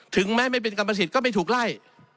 ถึงแม้ไม่เป็นกรรมสิทธิ์ก็ไม่ถูกไล่